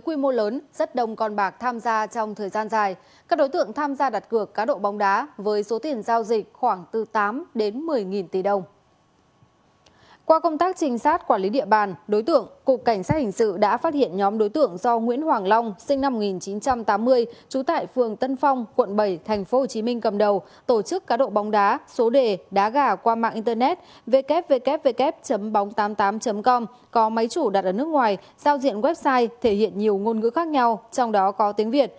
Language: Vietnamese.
qua công tác trinh sát quản lý địa bàn đối tượng cục cảnh sát hình sự đã phát hiện nhóm đối tượng do nguyễn hoàng long sinh năm một nghìn chín trăm tám mươi trú tại phường tân phong quận bảy tp hcm cầm đầu tổ chức cá độ bóng đá số đề đá gà qua mạng internet www bóng tám mươi tám com có máy chủ đặt ở nước ngoài giao diện website thể hiện nhiều ngôn ngữ khác nhau trong đó có tiếng việt